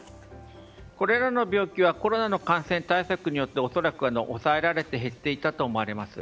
これらの病気はコロナの感染対策によって恐らく、抑えられて減っていたと思われます。